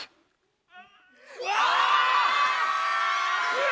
うわ！